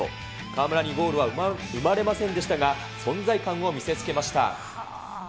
川村にゴールは生まれませんでしたが、存在感を見せつけました。